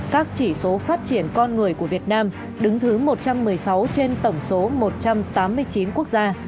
các chỉ số phát triển con người của việt nam đứng thứ một trăm một mươi sáu trên tổng số một trăm tám mươi chín quốc gia